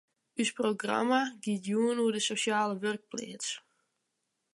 Us programma giet jûn oer de sosjale wurkpleats.